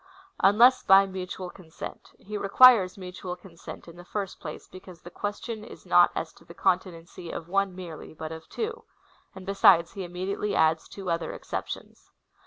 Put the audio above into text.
Unless by mutual consent. He requires mutual consent, in the first place, because the question is not as to the conti nency of one merely, but of two ; and besides, he immedi ately adds two other exceptions.